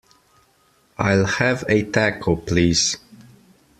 I'll have a Taco, please.